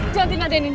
jangan tindakan ini